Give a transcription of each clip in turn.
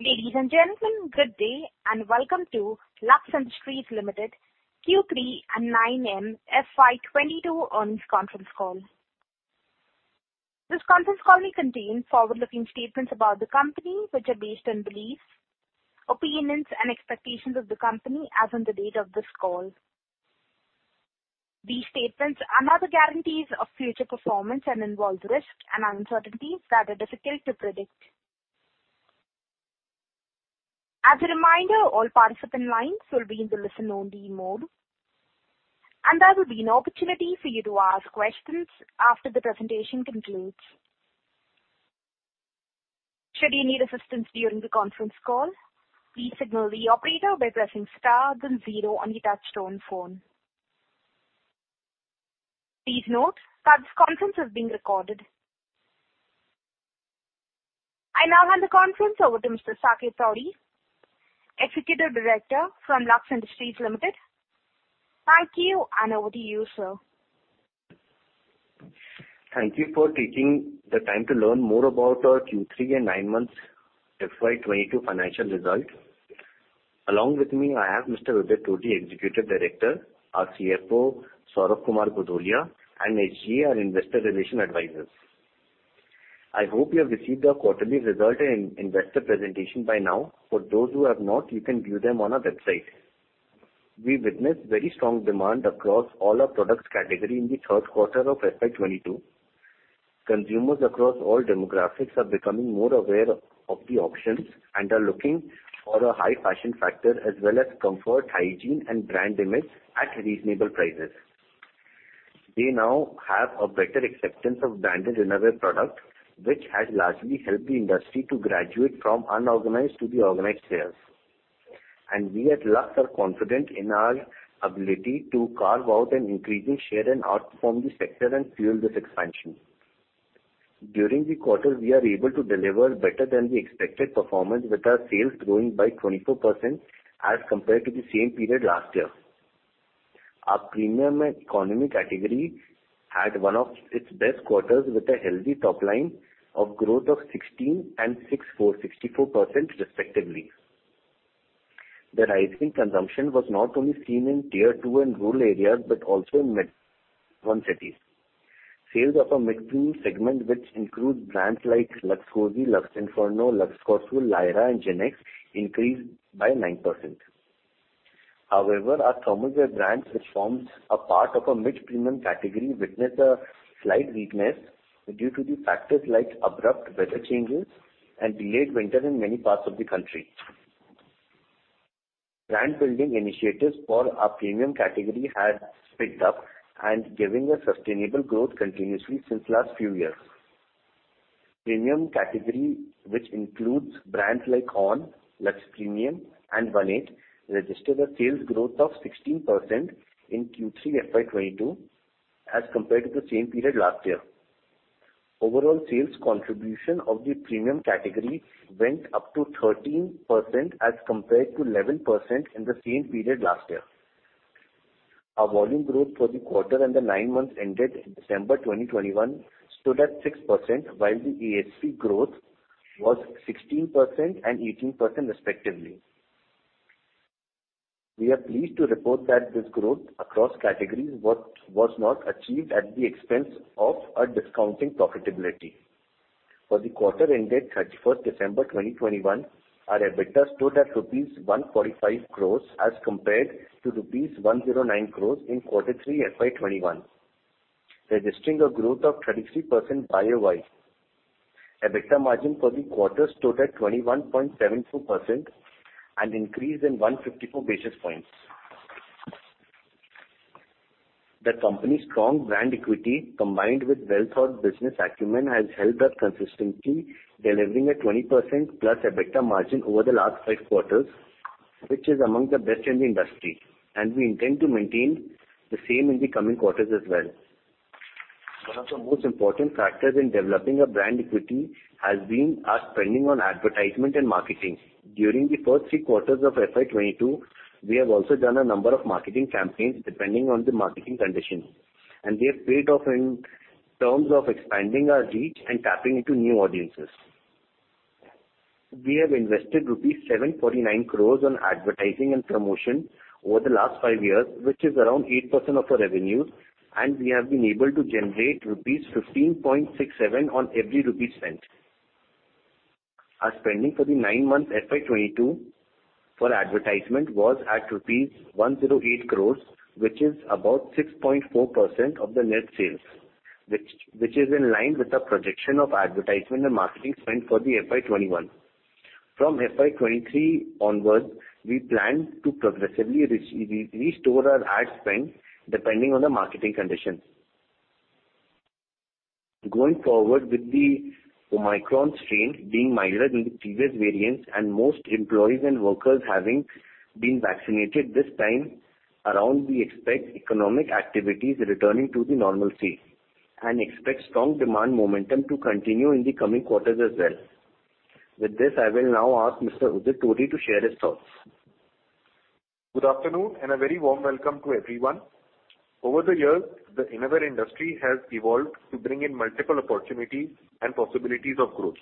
Ladies and gentlemen, good day, and welcome to Lux Industries Limited Q3 and 9M FY 2022 earnings conference call. This conference call may contain forward-looking statements about the company, which are based on beliefs, opinions, and expectations of the company as on the date of this call. These statements are not guarantees of future performance and involve risks and uncertainties that are difficult to predict. As a reminder, all participant lines will be in the listen-only mode, and there will be an opportunity for you to ask questions after the presentation concludes. Should you need assistance during the conference call, please signal the operator by pressing star then zero on your touchtone phone. Please note that this conference is being recorded. I now hand the conference over to Mr. Saket Todi, Executive Director from Lux Industries Limited. Thank you, and over to you, sir. Thank you for taking the time to learn more about our Q3 and 9M FY 2022 financial results. Along with me, I have Mr. Udit Todi, Executive Director, our CFO, Saurabh Kumar Bhudolia, and SGA, our investor relations advisors. I hope you have received our quarterly results and investor presentation by now. For those who have not, you can view them on our website. We witnessed very strong demand across all our product categories in the third quarter of FY 2022. Consumers across all demographics are becoming more aware of the options and are looking for a high fashion factor as well as comfort, hygiene and brand image at reasonable prices. We now have a better acceptance of branded innerwear products, which has largely helped the industry to graduate from unorganized to organized sales. We at Lux are confident in our ability to carve out an increasing share and outperform the sector and fuel this expansion. During the quarter, we are able to deliver better than the expected performance with our sales growing by 24% as compared to the same period last year. Our premium and economy category had one of its best quarters with a healthy top line of growth of 16% and 64% respectively. The rising consumption was not only seen in [Tier 2] and rural areas, but also in [Tier 1] cities. Sales of our mid-premium segment, which includes brands like Lux Cozi, Lux Inferno, Lux Cottswool, Lyra and GenX, increased by 9%. However, our thermal wear brands, which forms a part of our mid-premium category, witnessed a slight weakness due to the factors like abrupt weather changes and delayed winter in many parts of the country. Brand building initiatives for our premium category has picked up and giving a sustainable growth continuously since last few years. Premium category, which includes brands like ONN, Lux Premium and One8, registered a sales growth of 16% in Q3 FY 2022 as compared to the same period last year. Overall sales contribution of the premium category went up to 13% as compared to 11% in the same period last year. Our volume growth for the quarter and the nine months ended in December 2021 stood at 6%, while the ASP growth was 16% and 18% respectively. We are pleased to report that this growth across categories was not achieved at the expense of a deteriorating profitability. For the quarter ended 31 December 2021, our EBITDA stood at rupees 145 crores as compared to rupees 109 crores in quarter 3 FY 2021, registering a growth of 33% year-over-year. EBITDA margin for the quarter stood at 21.72%, an increase of 154 basis points. The company's strong brand equity, combined with well-thought business acumen, has helped us consistently delivering a 20%+ EBITDA margin over the last five quarters, which is among the best in the industry, and we intend to maintain the same in the coming quarters as well. One of the most important factors in developing a brand equity has been our spending on advertisement and marketing. During the first three quarters of FY 2022, we have also done a number of marketing campaigns depending on the marketing conditions, and they have paid off in terms of expanding our reach and tapping into new audiences. We have invested rupees 749 crore on advertising and promotion over the last five years, which is around 8% of our revenue, and we have been able to generate rupees 15.67 on every rupee spent. Our spending for the nine months FY 2022 for advertisement was at rupees 108 crore, which is about 6.4% of the net sales, which is in line with the projection of advertisement and marketing spend for the FY 2021. From FY 2023 onwards, we plan to progressively restore our ad spend depending on the marketing conditions. Going forward, with the Omicron strain being milder than the previous variants and most employees and workers having been vaccinated this time around, we expect economic activities returning to the normalcy and expect strong demand momentum to continue in the coming quarters as well. With this, I will now ask Mr. Udit Todi to share his thoughts. Good afternoon, and a very warm welcome to everyone. Over the years, the innerwear industry has evolved to bring in multiple opportunities and possibilities of growth.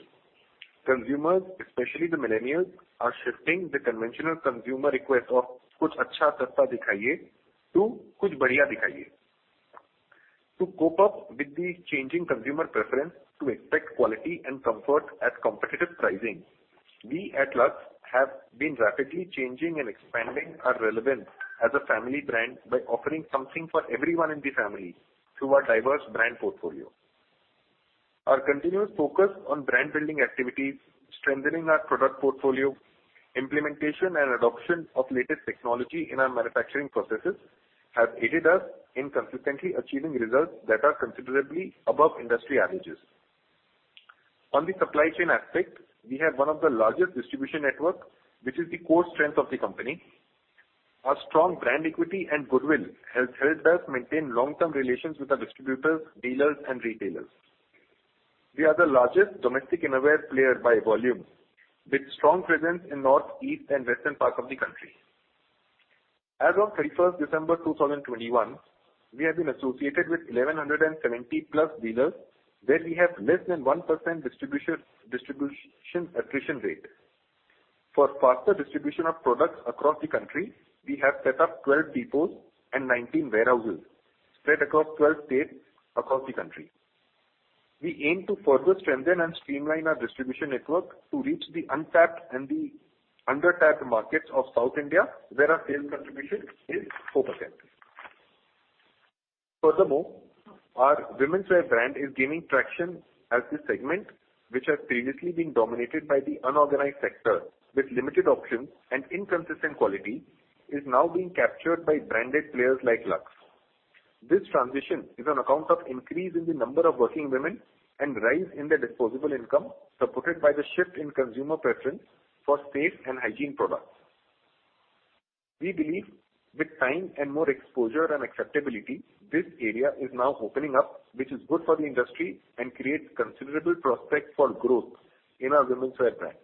Consumers, especially the millennials, are shifting the conventional consumer request of [Kuch Achcha Sasta Dikhaiye] to [Kuch Badhiya Dikhaiye]. To cope up with the changing consumer preference to expect quality and comfort at competitive pricing, we at Lux have been rapidly changing and expanding our relevance as a family brand by offering something for everyone in the family through our diverse brand portfolio. Our continuous focus on brand-building activities, strengthening our product portfolio, implementation and adoption of latest technology in our manufacturing processes have aided us in consistently achieving results that are considerably above industry averages. On the supply chain aspect, we have one of the largest distribution network, which is the core strength of the company. Our strong brand equity and goodwill has helped us maintain long-term relations with our distributors, dealers, and retailers. We are the largest domestic innerwear player by volume, with strong presence in north, east, and western part of the country. As of 31 December 2021, we have been associated with 1,170+ dealers, where we have less than 1% distribution attrition rate. For faster distribution of products across the country, we have set up 12 depots and 19 warehouses spread across 12 states across the country. We aim to further strengthen and streamline our distribution network to reach the untapped and the undertapped markets of South India, where our sales contribution is 4%. Furthermore, our womenswear brand is gaining traction as this segment, which has previously been dominated by the unorganized sector with limited options and inconsistent quality, is now being captured by branded players like Lux. This transition is on account of increase in the number of working women and rise in their disposable income, supported by the shift in consumer preference for safe and hygienic products. We believe with time and more exposure and acceptability, this area is now opening up, which is good for the industry and creates considerable prospects for growth in our womenswear brand.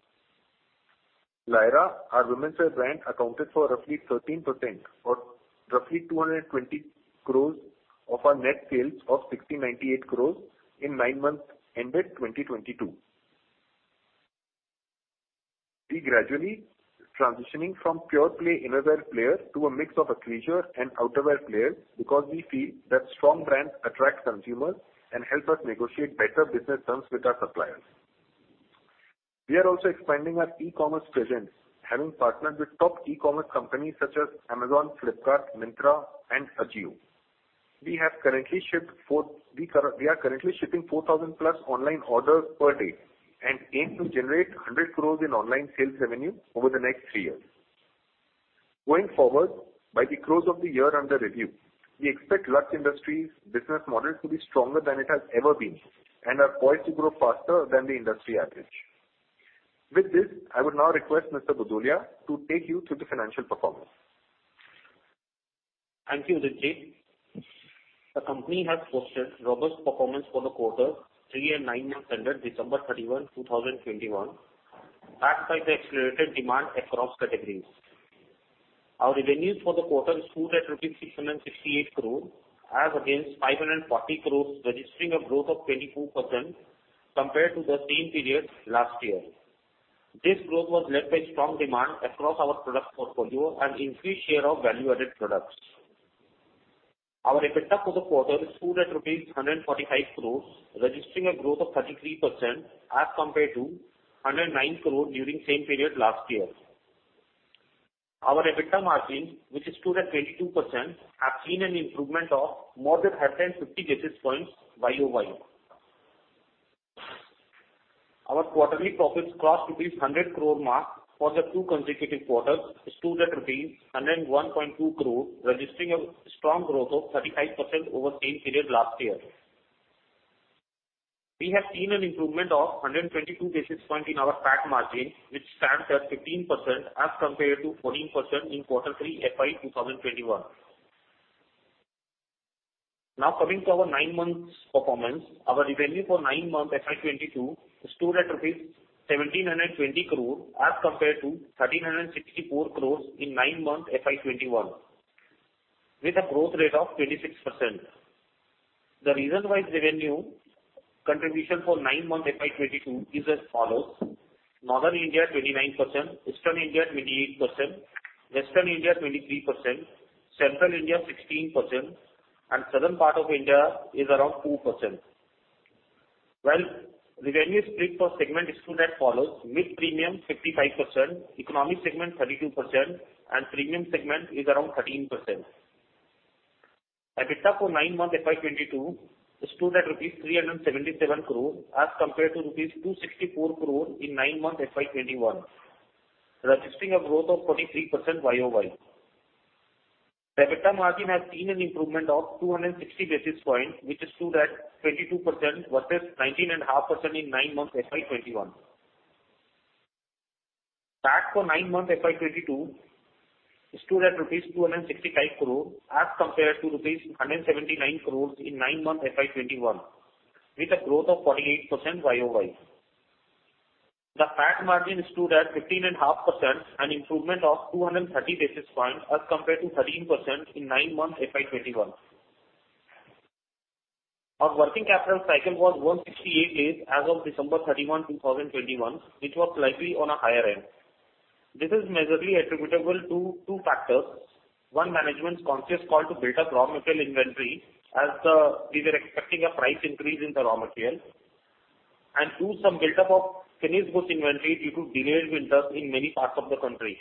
Lyra, our womenswear brand, accounted for roughly 13% or roughly 220 crore of our net sales of 698 crore in nine months ended 2022. We gradually transitioning from pure-play innerwear player to a mix of athleisure and outerwear player because we feel that strong brands attract consumers and help us negotiate better business terms with our suppliers. We are also expanding our e-commerce presence, having partnered with top e-commerce companies such as Amazon, Flipkart, Myntra, and Ajio. We are currently shipping 4,000+ online orders per day and aim to generate 100 crore in online sales revenue over the next three years. Going forward, by the close of the year under review, we expect Lux Industries business model to be stronger than it has ever been and are poised to grow faster than the industry average. With this, I would now request Mr. Bhudolia to take you through the financial performance. Thank you, Udit Todi. The company has posted robust performance for the quarter three and nine months ended December 31, 2021, backed by the accelerated demand across categories. Our revenues for the quarter stood at rupees 668 crore as against 540 crore, registering a growth of 22% compared to the same period last year. This growth was led by strong demand across our product portfolio and increased share of value-added products. Our EBITDA for the quarter stood at rupees 145 crore, registering a growth of 33% as compared to 109 crore during same period last year. Our EBITDA margin, which stood at 22%, have seen an improvement of more than 150 basis points YoY. Our quarterly profits crossed rupees 100 crore mark for the two consecutive quarters, stood at rupees 101.2 crore, registering a strong growth of 35% over same period last year. We have seen an improvement of 122 basis points in our PAT margin, which stands at 15% as compared to 14% in quarter 3 FY 2021. Now, coming to our nine months performance, our revenue for nine months FY 2022 stood at rupees 1,720 crore as compared to 1,364 crore in nine months FY 2021, with a growth rate of 26%. The region-wise revenue contribution for nine months FY 2022 is as follows. Northern India, 29%, Eastern India, 28%, Western India, 23%, Central India, 16%, and Southern part of India is around 2%. While revenue split for segment stood as follows. Mid-premium, 55%; economic segment, 32%; and premium segment is around 13%. EBITDA for nine months FY 2022 stood at rupees 377 crore as compared to rupees 264 crore in nine months FY 2021, registering a growth of [43%] YoY. The EBITDA margin has seen an improvement of 260 basis points, which stood at 22% versus 19.5% in nine months FY 2021. PAT for nine months FY 2022 stood at rupees 265 crore as compared to rupees 179 crore in nine months FY 2021, with a growth of 48% YoY. The PAT margin stood at 15.5%, an improvement of 230 basis points as compared to 13% in nine months FY 2021. Our working capital cycle was 168 days as of December 31, 2021, which was slightly on a higher end. This is majorly attributable to two factors. One, management's conscious call to build up raw material inventory as we were expecting a price increase in the raw material. Two, some buildup of finished goods inventory due to delayed winters in many parts of the country.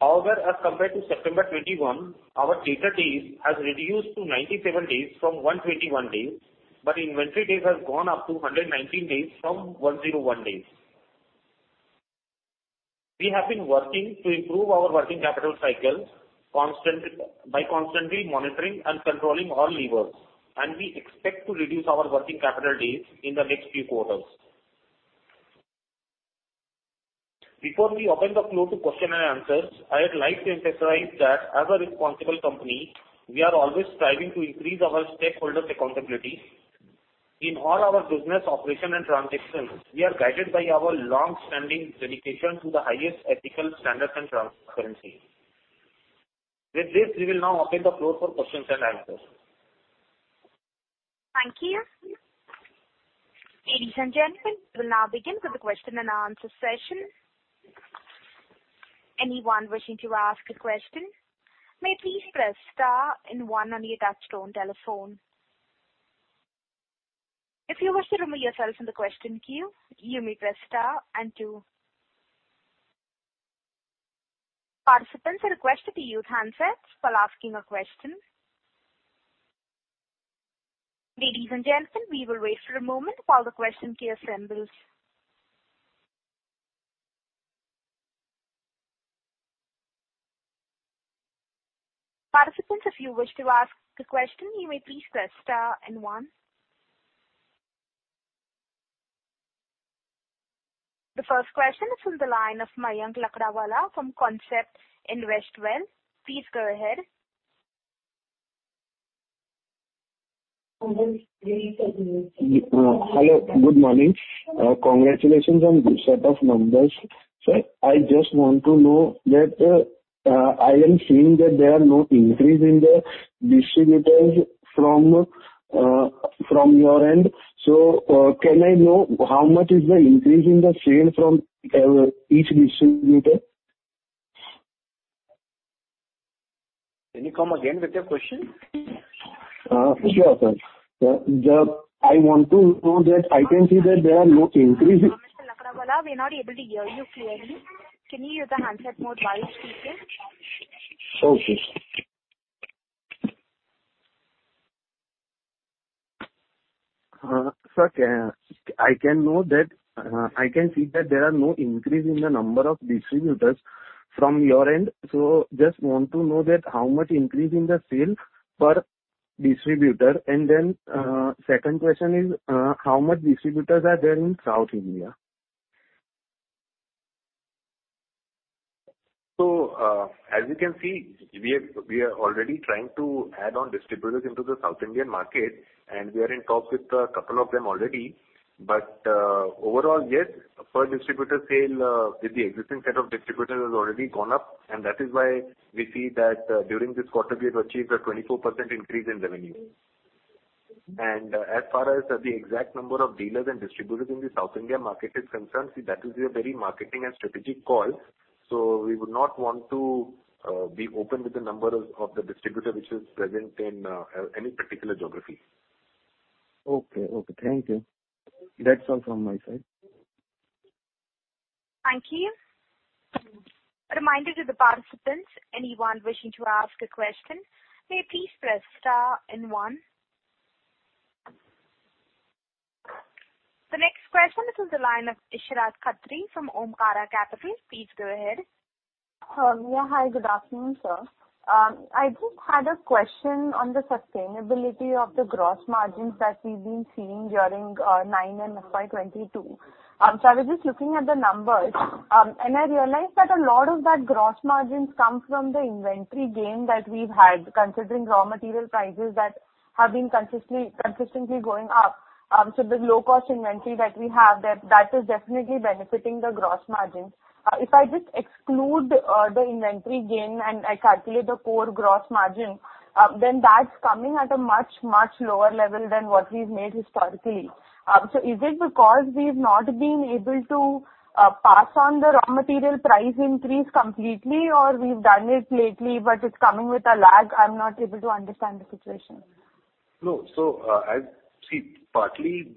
However, as compared to September 2021, our debtor days has reduced to 97 days from 121 days, but inventory days has gone up to 119 days from 101 days. We have been working to improve our working capital cycle by constantly monitoring and controlling all levers, and we expect to reduce our working capital days in the next few quarters. Before we open the floor to questions and answers, I would like to emphasize that as a responsible company, we are always striving to increase our stakeholders' accountability. In all our business operations and transactions, we are guided by our long-standing dedication to the highest ethical standards and transparency. With this, we will now open the floor for questions and answers. Thank you. Ladies and gentlemen, we will now begin with the question and answer session. Anyone wishing to ask a question may please press star and one on your touchtone telephone. If you wish to remove yourself from the question queue, you may press star and two. Participants are requested to use handsets while asking a question. Ladies and gentlemen, we will wait for a moment while the question queue assembles. Participants, if you wish to ask a question, you may please press star and one. The first question is from the line of Mayank Lakdawala from Concept Investwell. Please go ahead. Hello, good morning. Congratulations on this set of numbers. I just want to know that I am seeing that there are no increase in the distributors from your end. Can I know how much is the increase in the sale from each distributor? Can you come again with your question? Sure, sir. I want to know that I can see that there are no increase. Mr. Lakdawala, we're not able to hear you clearly. Can you use the handset mode while speaking? Sure thing. Sir, can I know that I can see that there is no increase in the number of distributors from your end, so just want to know how much increase in the sales per distributor? Second question is, how many distributors are there in South India? As you can see, we are already trying to add on distributors into the South Indian market, and we are in talks with a couple of them already. Overall, yes, per distributor sale with the existing set of distributors has already gone up, and that is why we see that during this quarter we have achieved a 24% increase in revenue. As far as the exact number of dealers and distributors in the South India market is concerned, see, that is a very marketing and strategic call, so we would not want to be open with the number of the distributor which is present in any particular geography. Okay. Thank you. That's all from my side. Thank you. A reminder to the participants, anyone wishing to ask a question, may please press star and one. The next question is from the line of Ishrat Khatri from Omkara Capital. Please go ahead. Yeah. Hi, good afternoon, sir. I just had a question on the sustainability of the gross margins that we've been seeing during 9M and FY 2022. I was just looking at the numbers, and I realized that a lot of that gross margins come from the inventory gain that we've had, considering raw material prices that have been consistently going up. The low cost inventory that we have is definitely benefiting the gross margins. If I just exclude the inventory gain and I calculate the core gross margin, then that's coming at a much, much lower level than what we've made historically. Is it because we've not been able to pass on the raw material price increase completely, or we've done it lately, but it's coming with a lag? I'm not able to understand the situation. Partly,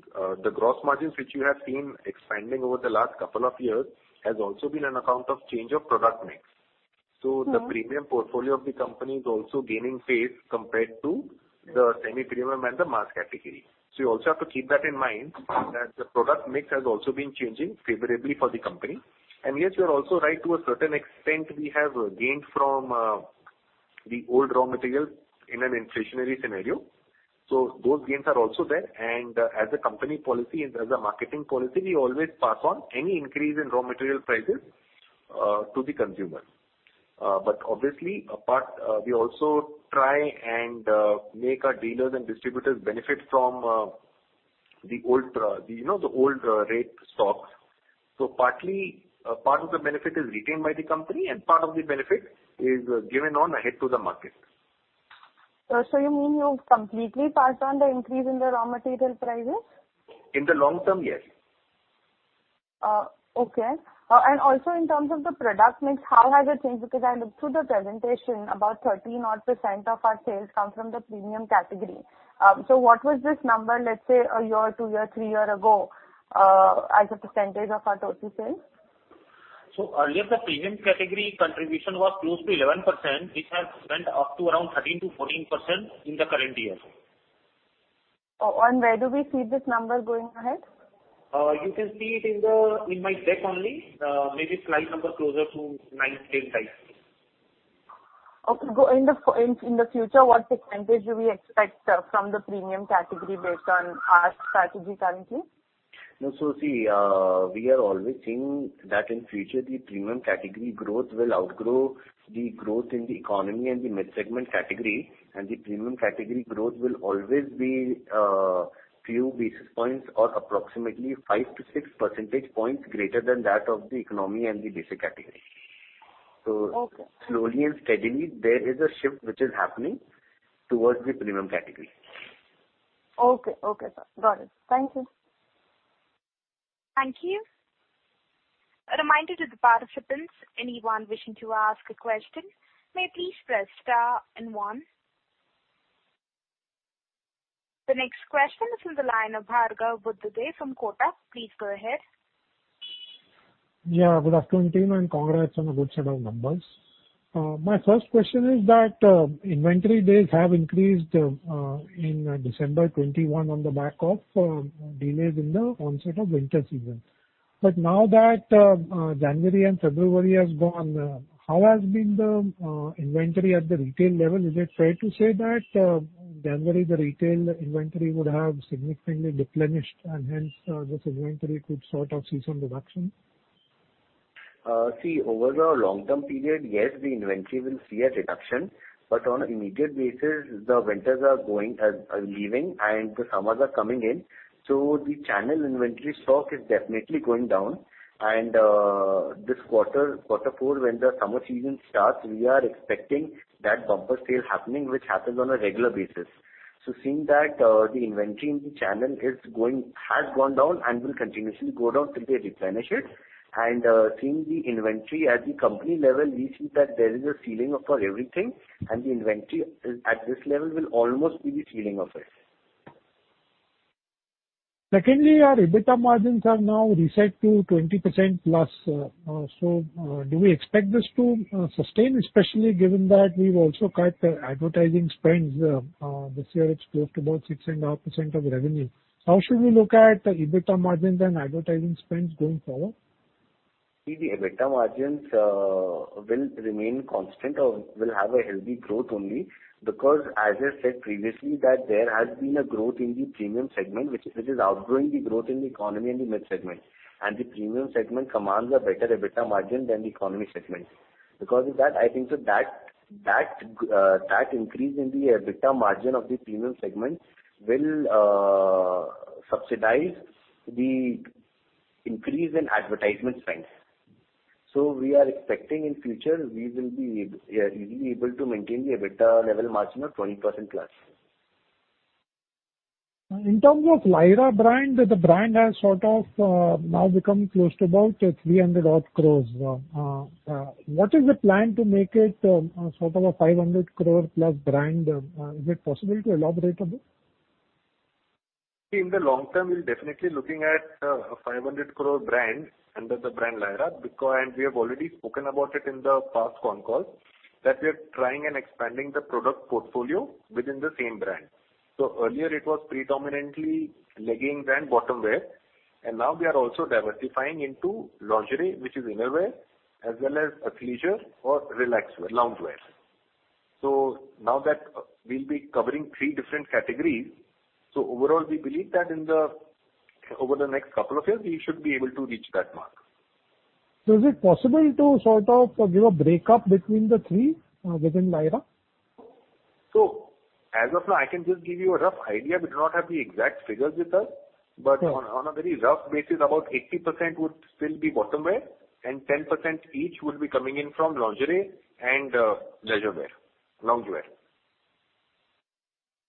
the gross margins which you have seen expanding over the last couple of years has also been on account of change of product mix. The premium portfolio of the company is also gaining pace compared to the semi-premium and the mass category. You also have to keep that in mind, that the product mix has also been changing favorably for the company. Yes, you are also right to a certain extent, we have gained from the old raw materials in an inflationary scenario. Those gains are also there. As a company policy and as a marketing policy, we always pass on any increase in raw material prices to the consumer. Obviously we also try and make our dealers and distributors benefit from the old rate stocks. Part of the benefit is retained by the company, and part of the benefit is given ahead to the market. Sir, you mean you've completely passed on the increase in the raw material prices? In the long term, yes. Also in terms of the product mix, how has it changed? Because I looked through the presentation, about 13% odd of our sales come from the premium category. What was this number, let's say, a year, two year, three year ago, as a percentage of our total sales? Earlier, the premium category contribution was close to 11%, which has went up to around 13%-14% in the current year. Oh, where do we see this number going ahead? You can see it in my deck only. Maybe slide number closer to nine, 10 type. Going in the future, what percentage do we expect from the premium category based on our strategy currently? We are always seeing that in future, the premium category growth will outgrow the growth in the economy and the mid-segment category. The premium category growth will always be few basis points or approximately 5-6 percentage points greater than that of the economy and the basic category. Slowly and steadily, there is a shift which is happening towards the premium category. Okay. Okay, sir. Got it. Thank you. Thank you. A reminder to the participants, anyone wishing to ask a question may please press star and one. The next question is from the line of Bhargav Buddhadev from Kotak. Please go ahead. Yeah, good afternoon, team, and congrats on a good set of numbers. My first question is that inventory days have increased in December 2021 on the back of delays in the onset of winter season. Now that January and February has gone, how has been the inventory at the retail level? Is it fair to say that January the retail inventory would have significantly deplenished and hence this inventory could sort of see some reduction? See, over the long term period, yes, the inventory will see a reduction, but on immediate basis, the winters are leaving and the summers are coming in. The channel inventory stock is definitely going down. This quarter four when the summer season starts, we are expecting that bumper sale happening, which happens on a regular basis. Seeing that, the inventory in the channel has gone down and will continuously go down till they replenish it. Seeing the inventory at the company level, we see that there is a ceiling up for everything, and the inventory, at this level, will almost be the ceiling of it. Secondly, our EBITDA margins are now reset to 20%+. Do we expect this to sustain, especially given that we've also cut the advertising spends, this year it's close to about 6.5% of revenue? How should we look at the EBITDA margins and advertising spends going forward? See, the EBITDA margins will remain constant or will have a healthy growth only because, as I said previously, that there has been a growth in the premium segment which is outgrowing the growth in the economy and the mid segment. The premium segment commands a better EBITDA margin than the economy segment. I think so that increase in the EBITDA margin of the premium segment will subsidize the increase in advertisement spends. We are expecting in future we will be, we'll be able to maintain the EBITDA level margin of 20%+. In terms of Lyra brand, the brand has sort of now become close to about 300 odd crores. What is the plan to make it a sort of a 500 crore plus brand? Is it possible to elaborate a bit? In the long term, we're definitely looking at a 500 crore brand under the brand Lyra because we have already spoken about it in the past con calls, that we're trying and expanding the product portfolio within the same brand. Earlier it was predominantly leggings and bottom wear, and now we are also diversifying into lingerie, which is innerwear, as well as athleisure or relax wear, lounge wear. Now that we'll be covering three different categories, so overall we believe that over the next couple of years, we should be able to reach that mark. Is it possible to sort of give a breakup between the three, within Lyra? As of now, I can just give you a rough idea. We do not have the exact figures with us. On a very rough basis, about 80% would still be bottom wear, and 10% each would be coming in from lingerie and leisure wear, lounge wear.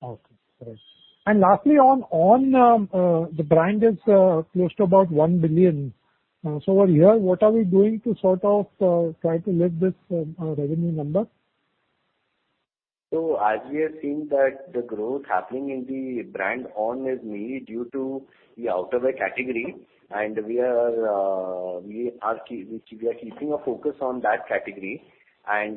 Okay, got it. Lastly, on ONN, the brand is close to about 1 billion. Over here, what are we doing to sort of try to lift this revenue number? As we have seen that the growth happening in the brand ONN is mainly due to the outer wear category, and we are keeping a focus on that category. As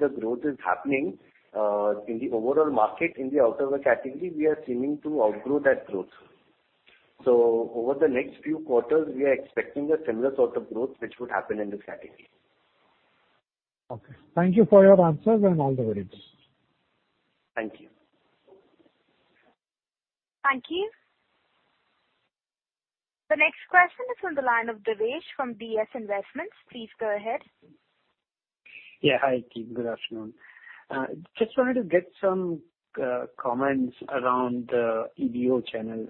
the growth is happening in the overall market in the outer wear category, we are seeming to outgrow that growth. Over the next few quarters, we are expecting a similar sort of growth which would happen in this category. Okay. Thank you for your answers and all the very best. Thank you. Thank you. The next question is on the line of Devesh from DS Investments. Please go ahead. Hi, team. Good afternoon. Just wanted to get some comments around the EBO channel.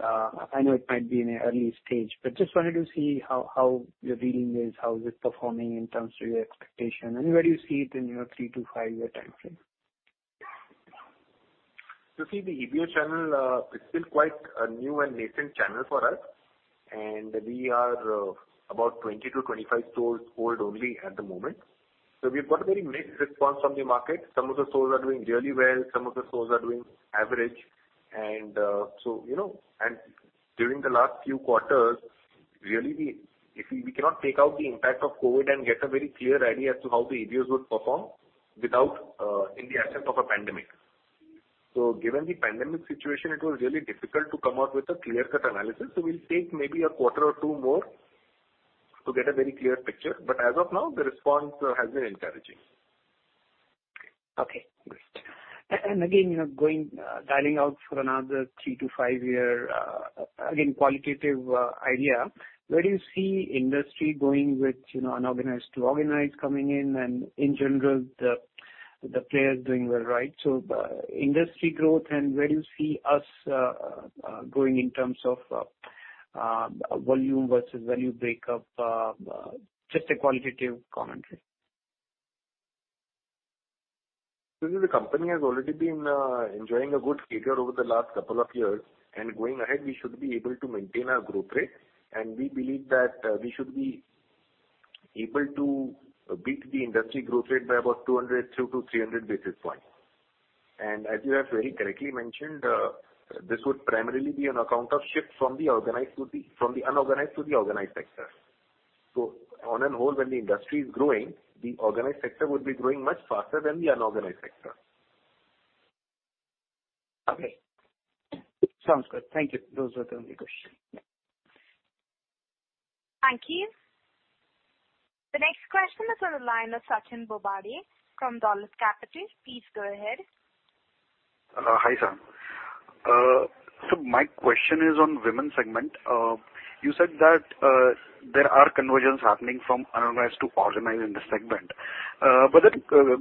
I know it might be in an early stage, but just wanted to see how your reading is, how is it performing in terms of your expectation, and where do you see it in your three to five-year timeframe? You see, the EBO channel is still quite a new and nascent channel for us, and we are about 20-25 stores forward only at the moment. We've got a very mixed response from the market. Some of the stores are doing really well, some of the stores are doing average. You know, during the last few quarters, really, we cannot take out the impact of COVID and get a very clear idea as to how the EBOs would perform without, in the absence of a pandemic. Given the pandemic situation, it was really difficult to come out with a clear-cut analysis. We'll take maybe a quarter or two more to get a very clear picture. But as of now, the response has been encouraging. Okay, great. Again, you know, going dialing out for another three-five year, again, qualitative idea, where do you see industry going with, you know, unorganized to organized coming in and in general the players doing well, right? Industry growth and where you see us going in terms of volume versus value breakup? Just a qualitative commentary. The company has already been enjoying a good figure over the last couple of years. Going ahead, we should be able to maintain our growth rate, and we believe that we should be able to beat the industry growth rate by about 200-300 basis points. As you have very correctly mentioned, this would primarily be on account of shift from the unorganized to the organized sector. On a whole, when the industry is growing, the organized sector would be growing much faster than the unorganized sector. Okay. Sounds good. Thank you. Those were the only questions. Thank you. The next question is on the line of Sachin Bobade from Dolat Capital. Please go ahead. Hi, sir. My question is on women segment. You said that there are conversions happening from unorganized to organized in this segment.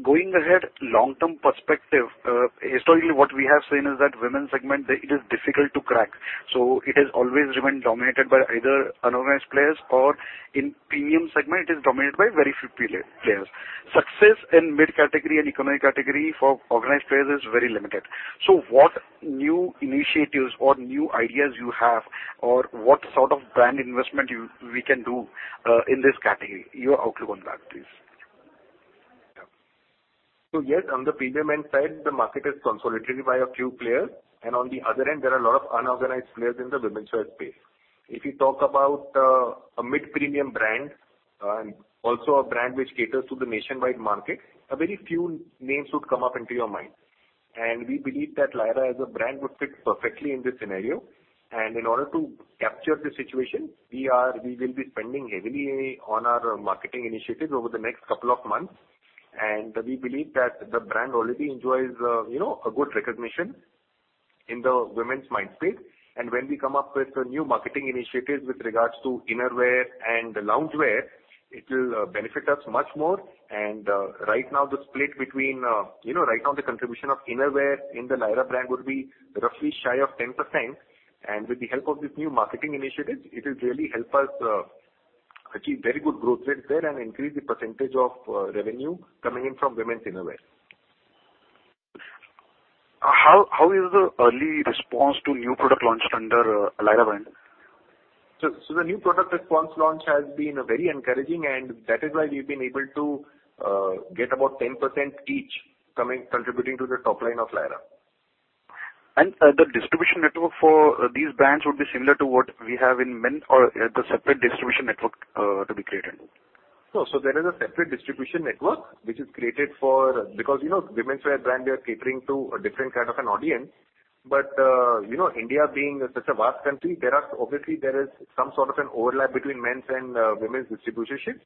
Going ahead, long-term perspective, historically, what we have seen is that women segment, it is difficult to crack. It has always remained dominated by either unorganized players or in premium segment it is dominated by very few players. Success in mid category and economic category for organized players is very limited. What new initiatives or new ideas you have or what sort of brand investment you, we can do in this category? Your outlook on that, please. Yes, on the premium end side, the market is consolidated by a few players. On the other end, there are a lot of unorganized players in the women's wear space. If you talk about a mid-premium brand, also a brand which caters to the nationwide market, a very few names would come up into your mind. We believe that Lyra as a brand would fit perfectly in this scenario. In order to capture the situation, we will be spending heavily on our marketing initiatives over the next couple of months. We believe that the brand already enjoys, you know, a good recognition in the women's mind space. When we come up with new marketing initiatives with regards to innerwear and loungewear, it will benefit us much more. Right now the split between, you know, right now the contribution of innerwear in the Lyra brand would be roughly shy of 10%. With the help of this new marketing initiatives, it will really help us achieve very good growth rates there and increase the percentage of revenue coming in from women's innerwear. How is the early response to new product launched under Lyra brand? The new product launch response has been very encouraging, and that is why we've been able to get about 10% each coming, contributing to the top line of Lyra. The distribution network for these brands would be similar to what we have in men or the separate distribution network to be created? No. There is a separate distribution network which is created because, you know, women's wear brand, we are catering to a different kind of an audience. India being such a vast country, there is obviously some sort of an overlap between men's and women's distributorships.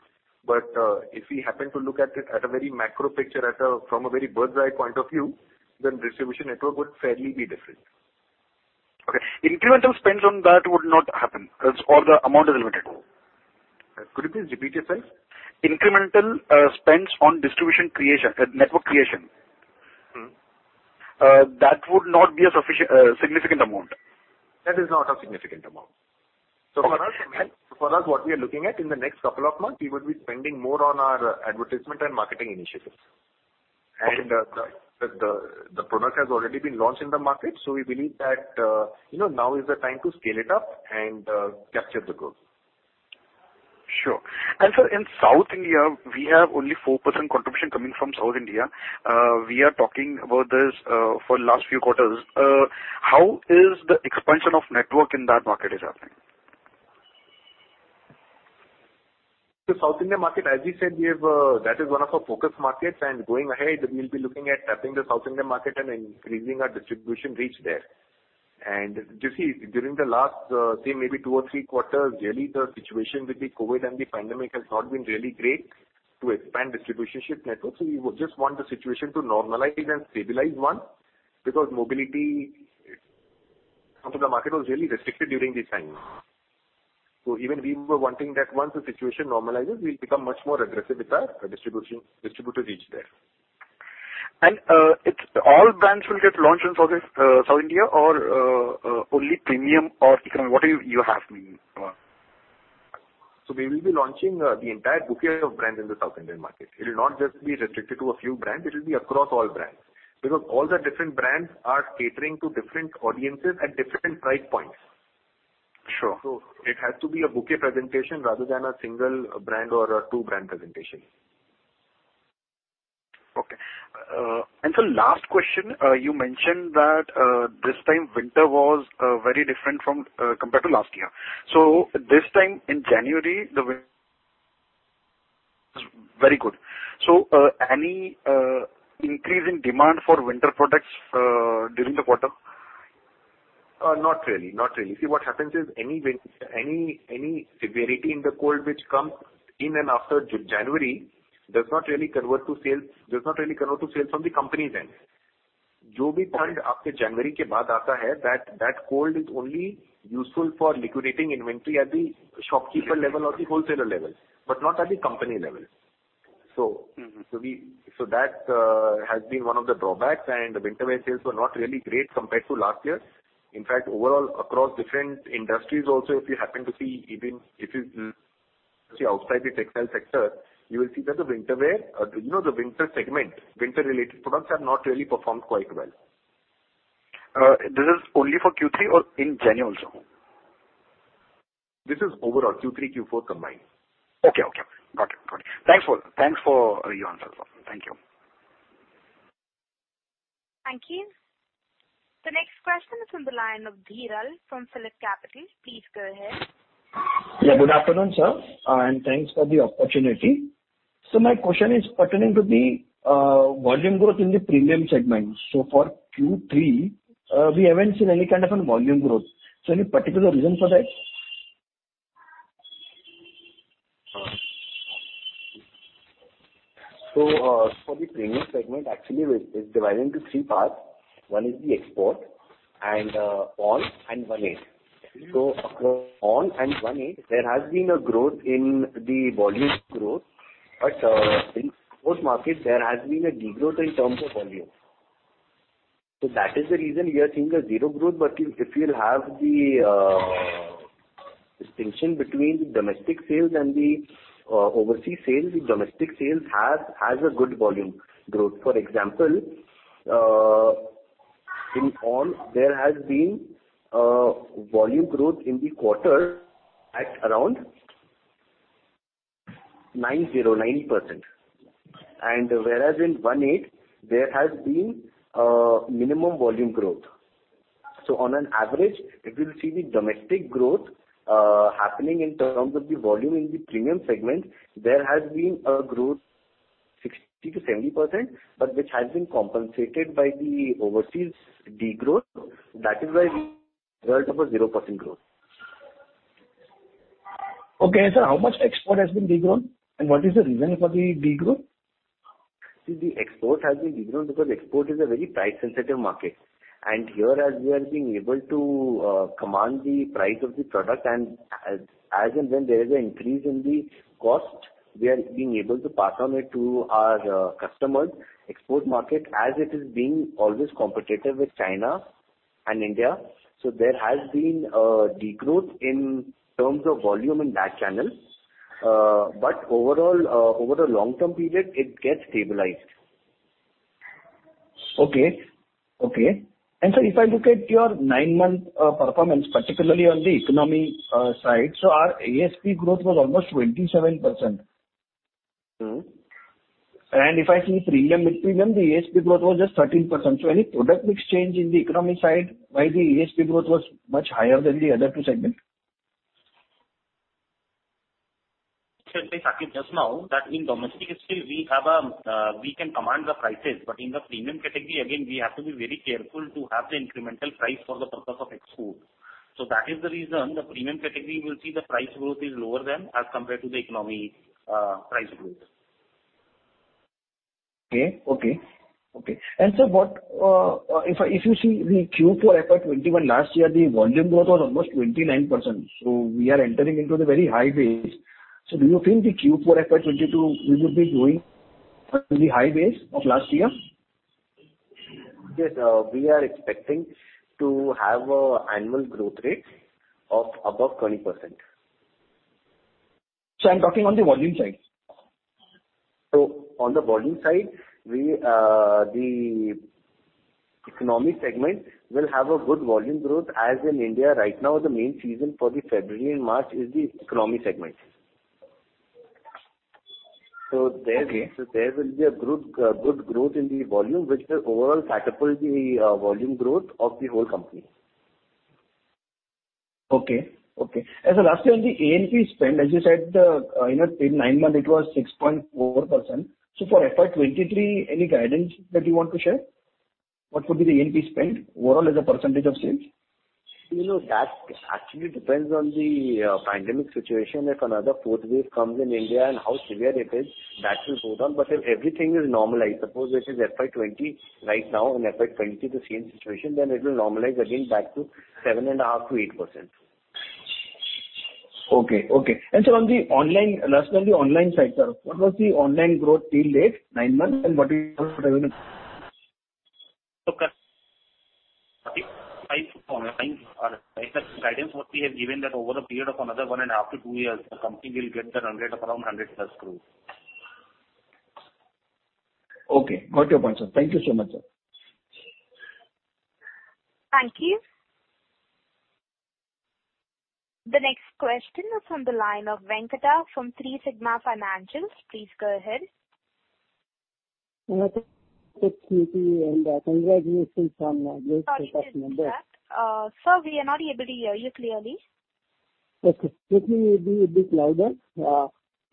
If we happen to look at it at a very macro picture from a very bird's-eye point of view, then distribution network would fairly be different. Okay. Incremental spends on that would not happen or the amount is limited? Could you please repeat yourself? Incremental spends on distribution creation, network creation. That would not be a sufficient, significant amount. That is not a significant amount. For us, what we are looking at in the next couple of months, we will be spending more on our advertisement and marketing initiatives. The product has already been launched in the market, so we believe that, you know, now is the time to scale it up and capture the growth. Sure. Sir, in South India, we have only 4% contribution coming from South India. We are talking about this for last few quarters. How is the expansion of network in that market happening? The South India market, as we said, we have, that is one of our focus markets. Going ahead, we'll be looking at tapping the South India market and increasing our distribution reach there. You see, during the last, say maybe two or three quarters, really the situation with the COVID and the pandemic has not been really great. To expand distribution network. We would just want the situation to normalize and stabilize once because mobility into the market was really restricted during this time. Even we were wanting that once the situation normalizes, we become much more aggressive with our distributors reach there. Is it all brands will get launched in South India or only premium or economy? What do you have in mind? We will be launching the entire bouquet of brands in the South Indian market. It will not just be restricted to a few brands, it will be across all brands. Because all the different brands are catering to different audiences at different price points. Sure. It has to be a bouquet presentation rather than a single brand or a two-brand presentation. Okay. Last question, you mentioned that this time winter was very different from compared to last year. This time in January, winter was very good. Any increase in demand for winter products during the quarter? Not really. See, what happens is any severity in the cold which comes in and after January does not really convert to sales from the company end. that cold only useful for liquidating inventory at the shopkeeper level or wholesaler level. But not at the company level. That has been one of the drawbacks, and the winter wear sales were not really great compared to last year. In fact, overall, across different industries also, if you happen to see even if you're outside the textile sector, you will see that the winter wear, you know, the winter segment, winter related products have not really performed quite well. This is only for Q3 or in January also? This is overall Q3, Q4 combined. Okay. Got it. Thanks for your answers. Thank you. Thank you. The next question is on the line of Dhiral from PhillipCapital. Please go ahead. Yeah, good afternoon, sir, and thanks for the opportunity. My question is pertaining to the volume growth in the premium segment. For Q3, we haven't seen any kind of volume growth. Any particular reason for that? For the premium segment, actually it's divided into three parts. One is the export and ONN and One8. Across ONN and One8, there has been a growth in the volume growth, but both markets there has been a degrowth in terms of volume. That is the reason we are seeing a zero growth. But if you'll have the distinction between the domestic sales and the overseas sales, the domestic sales has a good volume growth. For example, in ONN there has been volume growth in the quarter at around 9.09%. Whereas in One8 there has been a minimum volume growth. On an average, if you'll see the domestic growth happening in terms of the volume in the premium segment, there has been a growth 60%-70%, but which has been compensated by the overseas degrowth. That is why 0% growth. Okay. Sir, how much export has been degrown? What is the reason for the degrowth? See, the export has been degrown because export is a very price sensitive market. Here as we are being able to command the price of the product and as and when there is an increase in the cost, we are being able to pass on it to our customers. Export market as it is being always competitive with China and India. There has been a degrowth in terms of volume in that channel. Overall, over a long-term period, it gets stabilized. Okay. If I look at your nine-month performance, particularly on the economy side, so our ASP growth was almost 27%. If I see premium [mid-premium segment], the ASP growth was just 13%. Any product mix change in the economy side why the ASP growth was much higher than the other two segments? Said by Saket just now that in domestic, still we can command the prices, but in the premium category, again, we have to be very careful to have the incremental price for the purpose of export. That is the reason the premium category will see the price growth is lower than as compared to the economy price growth. Okay. What if you see the Q2 FY 2021 last year, the volume growth was almost 29%. We are entering into the very high base. Do you think the Q4 FY 2022 we would be doing the high base of last year? Yes. We are expecting to have an annual growth rate of above 20%. I'm talking on the volume side. On the volume side, we, the economy segment will have a good volume growth. As in India right now, the main season for February and March is the economy segment. There will be a good growth in the volume, which will overall catapult the volume growth of the whole company. Okay. Last year the [A&P] spend, as you said, in a nine-month it was 6.4%. For FY 2023, any guidance that you want to share? What would be the [A&P] spend overall as a percentage of sales? You know, that actually depends on the pandemic situation. If another fourth wave comes in India and how severe it is, that will go down. If everything is normalized, suppose this is FY 2020 right now, in FY 2020 the same situation, then it will normalize again back to 7.5%-8%. Okay. Last on the online side, sir, what was the online growth till date, nine months, and what do you. The guidance that we have given that over a period of another 1.5-two years, the company will get that run rate of around [100+ crores]. Okay, got your point, sir. Thank you so much, sir. Thank you. The next question is on the line of Venkata from 3Sigma Financials. Please go ahead. Sorry to interrupt. Sir, we are not able to hear you clearly. Okay, let me bit louder.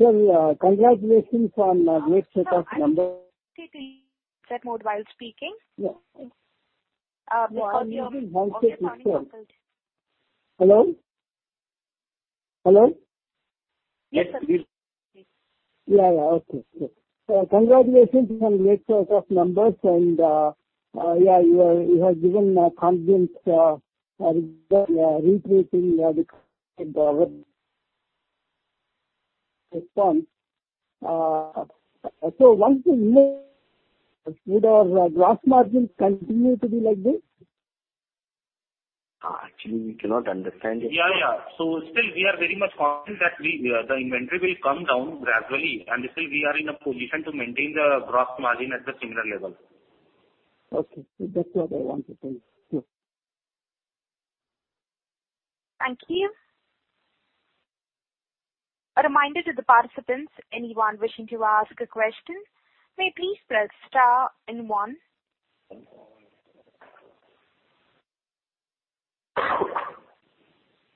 Congratulations on great set of numbers- Sir, set mode while speaking. Because of all the surrounding- Hello? Hello? Yes, sir. Sir, congratulations on great set of numbers and you have given confidence regarding recreating the will the gross margin continue to be like this? Actually, we cannot understand it. Yeah, yeah. Still we are very much confident that we, the inventory will come down gradually, and still we are in a position to maintain the gross margin at the similar level. Okay. That's what I wanted to hear. Thank you. A reminder to the participants, anyone wishing to ask a question, may please press star and one.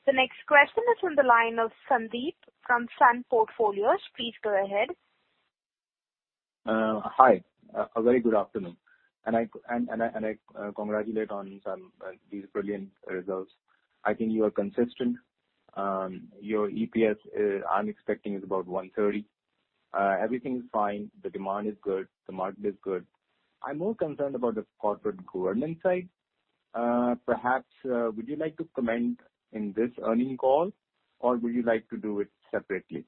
The next question is on the line of Sandeep from Sun Life. Please go ahead. Hi. A very good afternoon. I congratulate on some of these brilliant results. I think you are consistent. Your EPS, I'm expecting is about 130. Everything is fine. The demand is good. The market is good. I'm more concerned about the corporate governance side. Perhaps would you like to comment in this earnings call, or would you like to do it separately?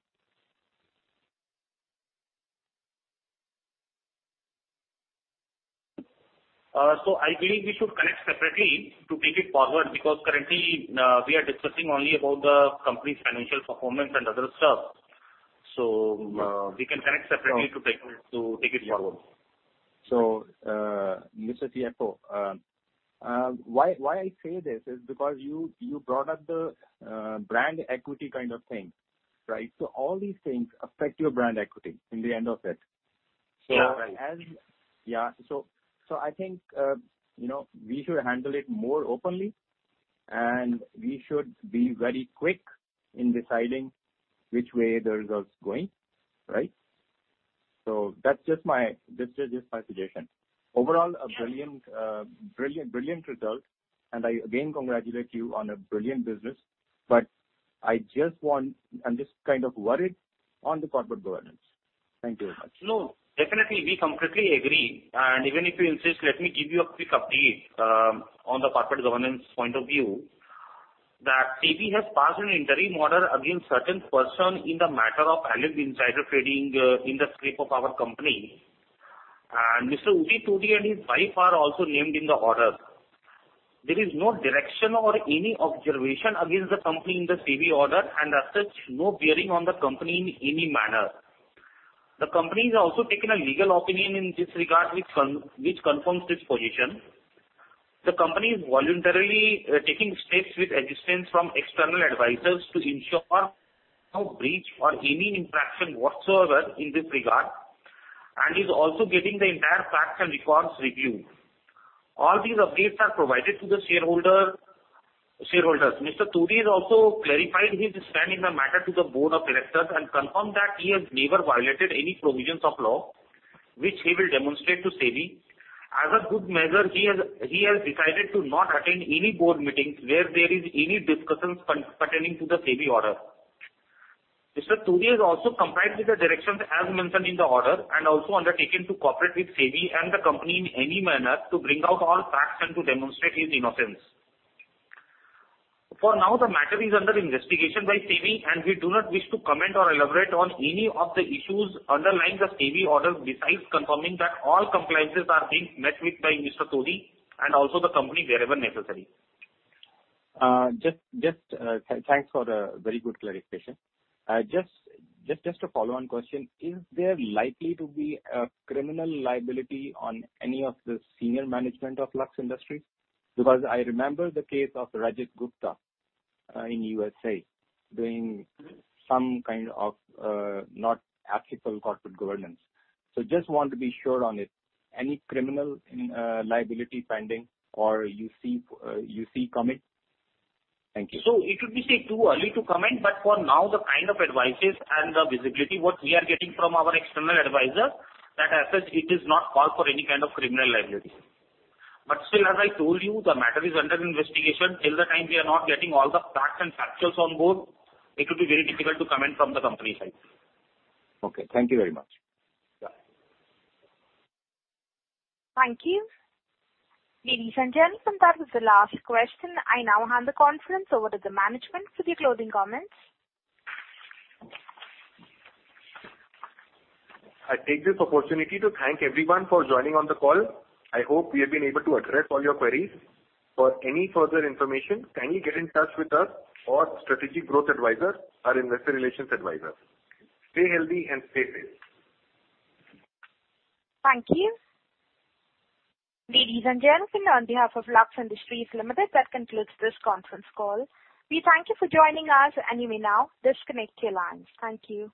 I believe we should connect separately to take it forward, because currently, we are discussing only about the company's financial performance and other stuff. We can connect separately to take it forward. Mr. CFO, why I say this is because you brought up the brand equity kind of thing, right? All these things affect your brand equity in the end of it. I think, you know, we should handle it more openly and we should be very quick in deciding which way the result's going, right? That's just my suggestion. Overall, a brilliant result, and I again congratulate you on a brilliant business. I'm just kind of worried on the corporate governance. Thank you very much. No, definitely we completely agree. Even if you insist, let me give you a quick update on the corporate governance point of view, that SEBI has passed an interim order against certain person in the matter of alleged insider trading in the scrip of our company. Mr. Udit Todi and his wife are also named in the order. There is no direction or any observation against the company in the SEBI order, and as such, no bearing on the company in any manner. The company has also taken a legal opinion in this regard which confirms this position. The company is voluntarily taking steps with assistance from external advisors to ensure no breach or any infraction whatsoever in this regard and is also getting the entire facts and records reviewed. All these updates are provided to the shareholder. Mr. Todi has also clarified his stand in the matter to the Board of Directors and confirmed that he has never violated any provisions of law, which he will demonstrate to SEBI. As a good measure, he has decided to not attend any board meetings where there is any discussions pertaining to the SEBI order. Mr. Todi has also complied with the directions as mentioned in the order, and also undertaken to cooperate with SEBI and the company in any manner to bring out all facts and to demonstrate his innocence. For now, the matter is under investigation by SEBI, and we do not wish to comment or elaborate on any of the issues underlying the SEBI order, besides confirming that all compliances are being met with by Mr. Todi and also the company wherever necessary. Thanks for the very good clarification. Just a follow-on question. Is there likely to be a criminal liability on any of the senior management of Lux Industries? Because I remember the case of Rajat Gupta in USA doing some kind of not ethical corporate governance. Just want to be sure on it. Any criminal liability pending or you see coming? Thank you. It would be, say, too early to comment, but for now the kind of advice and the visibility what we are getting from our external advisor, that as such it does not call for any kind of criminal liability. Still, as I told you, the matter is under investigation. Till the time we are not getting all the facts and factuals on board, it would be very difficult to comment from the company side. Okay. Thank you very much. Bye. Thank you. Ladies and gentlemen, that was the last question. I now hand the conference over to the management for their closing comments. I take this opportunity to thank everyone for joining on the call. I hope we have been able to address all your queries. For any further information, kindly get in touch with us or Strategic Growth Advisors, our investor relations advisors. Stay healthy and stay safe. Thank you. Ladies and gentlemen, on behalf of Lux Industries Limited, that concludes this conference call. We thank you for joining us, and you may now disconnect your lines. Thank you.